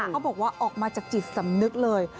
เขาบอกว่าออกมาจากจิตสำนึกเลย